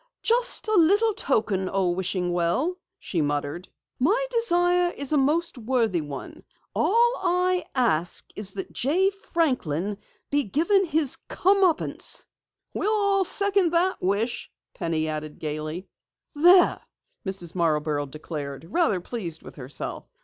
"Just a little token, O wishing well," she muttered. "My desire is a most worthy one. All I ask is that Jay Franklin be given his come uppance!" "We'll all second that wish!" Penny added gaily. "There!" Mrs. Marborough declared, rather pleased with herself.